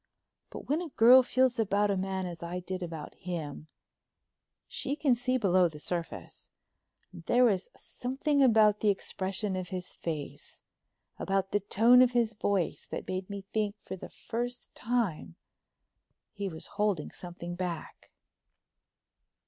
But when a girl feels about a man as I did about him, she can see below the surface, and there was something about the expression of his face, about the tone of his voice, that made me think for the first time he was holding something back.